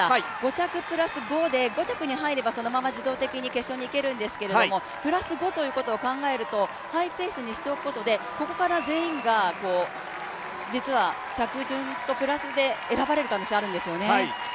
５着プラス５で５着に入れば、そのまま自動的に決勝にいけるんですけどプラス５ということを考えるとハイペースにしておくことでここから全員が実は着順とプラスで選ばれる可能性あるんですよね。